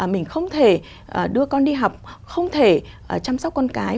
mình không thể đưa con đi học không thể chăm sóc con cái